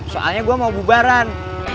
soalnya gue mau bubaran